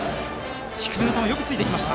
低めの球、よくついていきました。